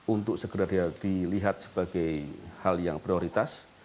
untuk segera dilihat sebagai hal yang prioritas